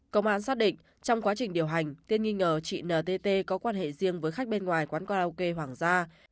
công an xác định trong quá trình điều hành tiên nghi ngờ chị ntt có quan hệ riêng với khách bên ngoài quán karaoke hoàng gia